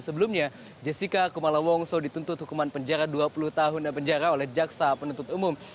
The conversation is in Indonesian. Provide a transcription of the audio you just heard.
sebelumnya jessica kumala wongso dituntut hukuman penjara dua puluh tahun penjara oleh jaksa penuntut umum